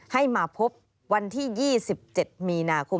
ให้มาพบวันที่๒๗มีนาคม